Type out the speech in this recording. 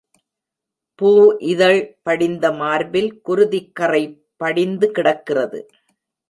பூ இதழ் படிந்த மார்பில் குருதிக் கறை படிந்து கிடக்கிறது.